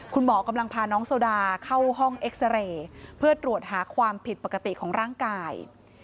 คุณหมอกำลังพาน้องโซดาเข้าห้องเอ็กซาเรย์เพื่อตรวจหาความผิดปกติของร่างกาย